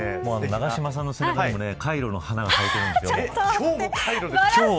永島さんの背中にもカイロの花が咲いているんです。